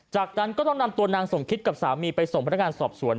จากนั้นก็ต้องนำตัวนางสมคิตกับสามีไปส่งพนักงานสอบสวน